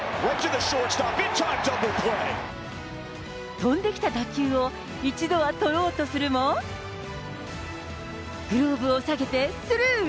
飛んできた打球を一度は捕ろうとするも、グローブをさげて、スルー。